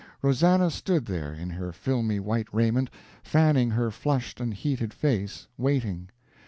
Rosannah stood there, in her filmy white raiment, fanning her flushed and heated face, waiting.